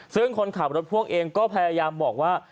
ซึ่งคนขับรถพ่วงเองก็พยายามบอกว่า